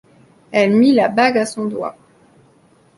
Elle mit la bague à son doigt.